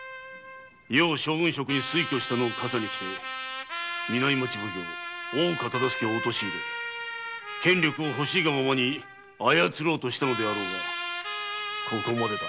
余を将軍職に推挙したのを笠に着て南町奉行・大岡忠相を陥れ権力を欲しいがままに操ろうとしたのであろうがここまでだ。